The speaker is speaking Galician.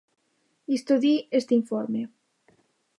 Isto di este informe.